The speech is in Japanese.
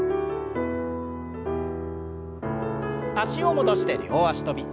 脚を戻して両脚跳び。